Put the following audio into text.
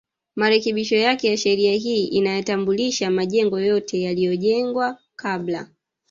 Marekebisho yake ya sheria hii inayatambua majengo yote yaliyojengwa kabla